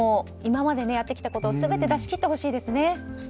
今までやってきたことを全て出し切ってほしいですね。